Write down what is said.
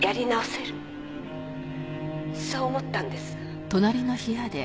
「そう思ったんです」